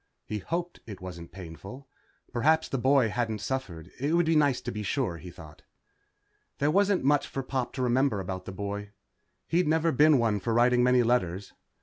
He hoped it wasn't painful. Perhaps the boy hadn't suffered. It would be nice to be sure, he thought. There wasn't much for Pop to remember about the boy. He'd never been one for writing many letters.